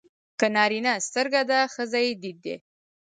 که نارینه سترګه ده ښځه يې دید دی.